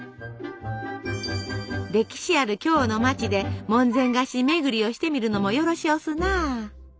歴史ある京の町で門前菓子巡りをしてみるのもよろしおすな。